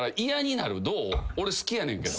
俺好きやねんけど。